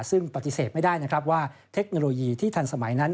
ซึ่งปฏิเสธไม่ได้นะครับว่าเทคโนโลยีที่ทันสมัยนั้น